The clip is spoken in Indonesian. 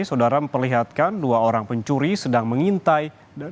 saudara memperlihatkan dua orang pencuri sedang mengintai